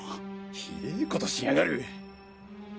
ひでぇことしやがる。